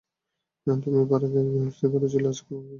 তুমি পাড়াগাঁয়ের গৃহস্থ-ঘরে ছিলে–আজকালকার চালচলন জান না।